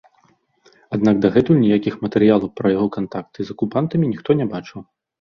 Аднак дагэтуль ніякіх матэрыялаў пра яго кантакты з акупантамі ніхто не бачыў.